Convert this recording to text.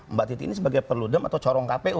mbak titi ini sebagai perludem atau corong kpu